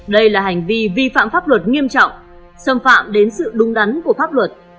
đây là hành vi vi phạm pháp luật nghiêm trọng xâm phạm đến sự đúng đắn của pháp luật